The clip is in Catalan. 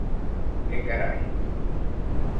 Què carai.